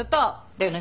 だよね？